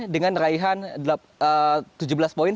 dengan raihan tujuh belas poin